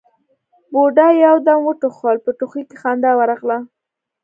بوډا يو دم وټوخل، په ټوخي کې خندا ورغله: